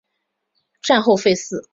战后废寺。